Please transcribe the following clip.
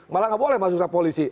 malah nggak boleh masuk ke polisi